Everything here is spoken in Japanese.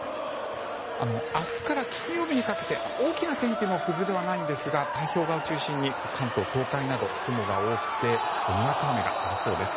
明日から金曜日にかけて大きな天気の崩れはないんですが太平洋側を中心に関東や東海など雲が多くてにわか雨がありそうです。